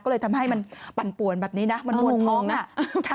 ก็เลยทำให้มันปั่นป่วนแบบนี้นะมันหนวดท้องน่ะ